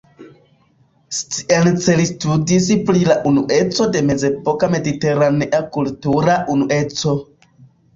Science li studis pri la unueco de mezepoka mediteranea kultura unueco.